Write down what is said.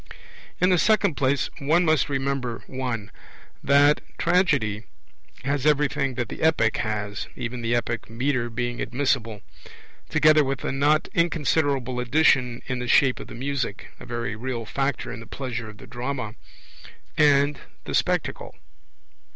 In the second place, one must remember (1) that Tragedy has everything that the Epic has (even the epic metre being admissible), together with a not inconsiderable addition in the shape of the Music (a very real factor in the pleasure of the drama) and the Spectacle.